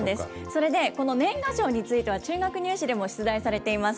それで、この年賀状については、中学入試でも出題されています。